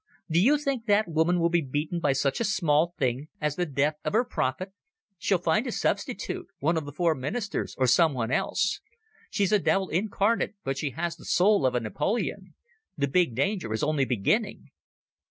Do you think that woman will be beaten by such a small thing as the death of her prophet? She'll find a substitute—one of the four Ministers, or someone else. She's a devil incarnate, but she has the soul of a Napoleon. The big danger is only beginning."